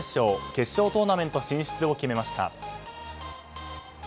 決勝トーナメント進出を決めました。